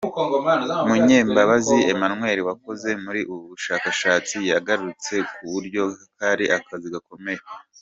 Munyembabazi Emmanuel wakoze muri ubu bushakashatsi yagarutse ku buryo kari akazi gakomeye.